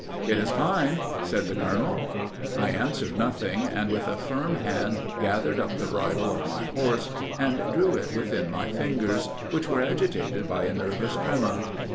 "'It is time,' said the colonel." "I answered nothing, and, with a firm hand, gathered up the bridle of my horse, and drew it within my fingers, which were agitated by a nervous tremor."